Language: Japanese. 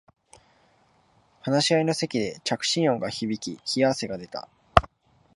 話し合いの席で着信音が響き冷や汗が出た